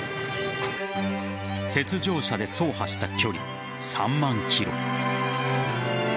雪上車で走破した距離、３万ｋｍ。